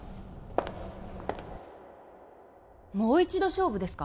もう一度勝負ですか？